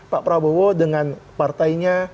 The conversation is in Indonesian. pak prabowo dengan partainya